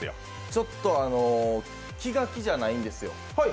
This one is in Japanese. ちょっと気が気じゃないんですよ。